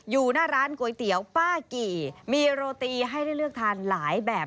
อยู่หน้าร้านก๋วยเตี๋ยวป้ากี่มีโรตีให้ได้เลือกทานหลายแบบ